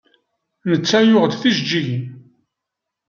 Netta yuɣ-d tijeǧǧigin.